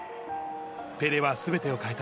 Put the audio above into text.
ペレはすべてを変えた。